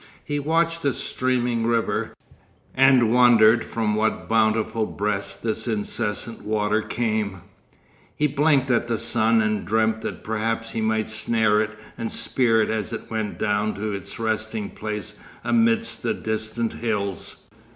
He watched the streaming river, and wondered from what bountiful breast this incessant water came; he blinked at the sun and dreamt that perhaps he might snare it and spear it as it went down to its resting place amidst the distant hills.